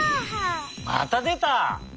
またでた！